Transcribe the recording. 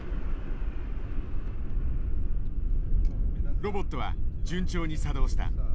ロボットは順調に作動した。